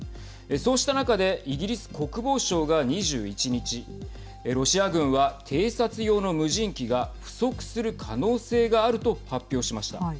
そうした中でイギリス国防省が２１日ロシア軍は、偵察用の無人機が不足する可能性があると発表しました。